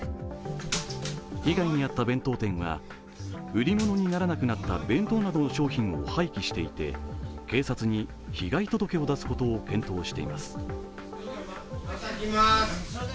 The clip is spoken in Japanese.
被害に遭った弁当店は売り物にならなくなった弁当などの商品を廃棄していて警察に被害届を出すことを検討しています。